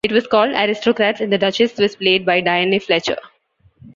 It was called "Aristocrats" and the Duchess was played by Diane Fletcher.